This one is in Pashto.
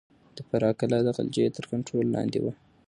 د فراه کلا د غلجيو تر کنټرول لاندې وه.